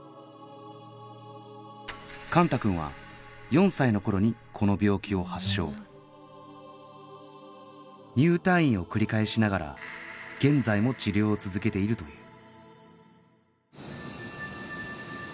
幹汰君は４歳の頃にこの病気を発症入退院を繰り返しながら現在も治療を続けているという